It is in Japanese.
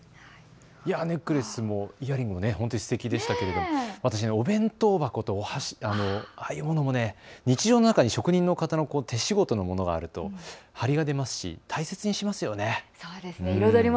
ネックレスもイヤリングも本当にすてきでしたけれども私、お弁当箱とお箸、ああいうものも日常の中に職人の方の手仕事があると張りが出ますし大切にしますよね。